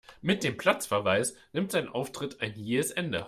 Mit dem Platzverweis nimmt sein Auftritt ein jähes Ende.